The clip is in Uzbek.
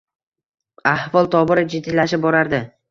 Ahvol tobora jiddiylashib borardi.